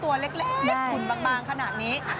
ตัวเล็กเม็ดหุ่นบางขนาดนี้